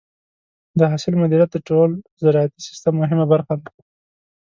د حاصل مدیریت د ټول زراعتي سیستم مهمه برخه ده.